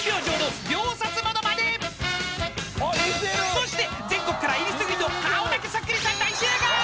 ［そして全国からえりすぐりの顔だけそっくりさん大集合］